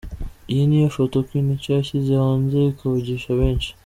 Iyi niyo Foto Queen Cha yashyize hanze ikavugisha benshi.